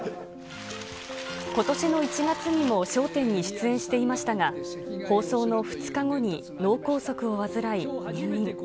ことしの１月にも笑点に出演していましたが、放送の２日後に脳梗塞を患い入院。